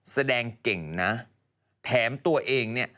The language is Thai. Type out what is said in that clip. แสดงเก่งนะแถมตัวเองเนี่ย